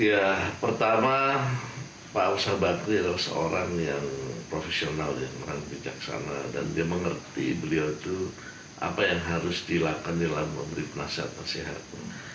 ya pertama pak austra bakri adalah seorang yang profesional ya orang bijaksana dan dia mengerti beliau itu apa yang harus dilakukan dalam memberi penasihat nasihat